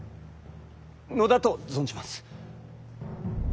のだと存じます。